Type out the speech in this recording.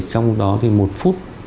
trong đó thì một phút